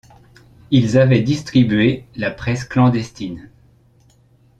Ils avaient distribué la presse clandestine.